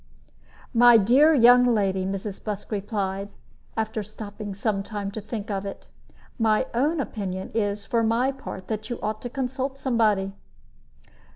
"My dear young lady," Mrs. Busk replied, after stopping some time to think of it, "my own opinion is, for my part, that you ought to consult somebody."